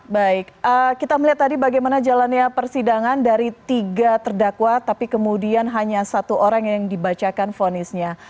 baik kita melihat tadi bagaimana jalannya persidangan dari tiga terdakwa tapi kemudian hanya satu orang yang dibacakan fonisnya